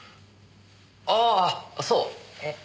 ああそう！